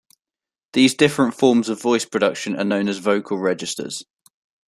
These different forms of voice production are known as vocal registers.